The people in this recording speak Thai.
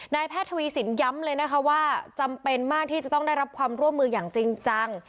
แพทย์ทวีสินย้ำเลยนะคะว่าจำเป็นมากที่จะต้องได้รับความร่วมมืออย่างจริงจัง